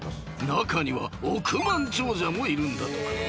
［中には億万長者もいるんだとか］